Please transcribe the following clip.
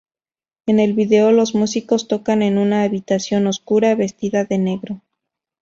En el vídeo, los músicos tocan en una habitación oscura, vestida de negro.